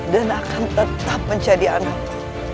dan akan tetap menjadi anakku